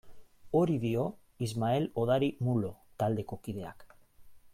Hori dio Ismael Odari Mulo taldeko kideak.